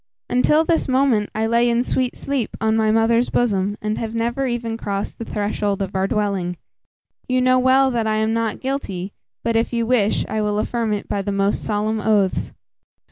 Until this moment, I lay in sweet sleep on my mother's bosom, and have never even crossed the threshold of our dwelling. You know well that I am not guilty; but, if you wish, I will affirm it by the most solemn oaths."